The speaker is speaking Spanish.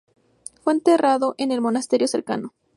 Fue enterrado en el monasterio cercano.